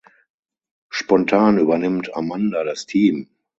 Spontan übernimmt Amanda das Team.